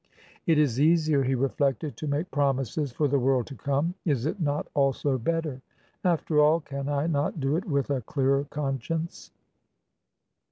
"It is easier," he reflected, "to make promises for the world to come. Is it not also better? After all, can I not do it with a clearer conscience?"